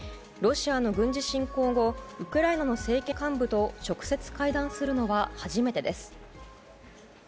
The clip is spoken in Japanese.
ロシアの軍事侵攻後ウクライナの政権幹部と直接会談するのは初めてです。